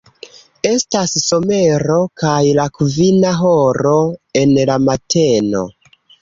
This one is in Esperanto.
Estas somero kaj la kvina horo en la mateno.